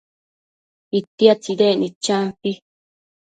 itia tsidecnid champi